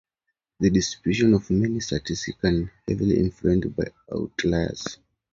The distribution of many statistics can be heavily influenced by outliers.